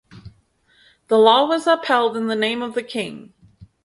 The law was upheld in the name of the King.